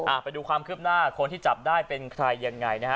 ไปดูความคืบหน้าคนที่จับได้เป็นใครยังไงนะฮะ